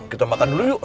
kita makan dulu yuk